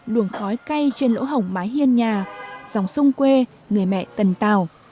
luồng khói cay trên lỗ hồng mái hiên nhà dòng sung quê người mẹ tần tào